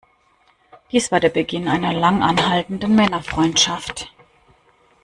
Dies war der Beginn einer lang anhaltenden Männerfreundschaft.